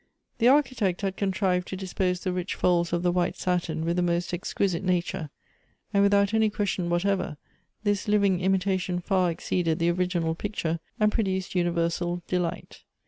The Architect had contrived to dispose the rich folds of the white satin with the most exquisite na ture, and, without any question whatever, this living imita tion far exceeded the original picture, and produced univer sal delight.